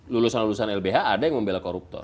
lulusan lulusan lbh ada yang membela koruptor